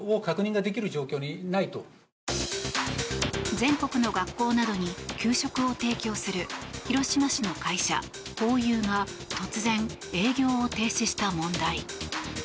全国の学校などに給食を提供する広島市の会社ホーユーが突然、営業を停止した問題。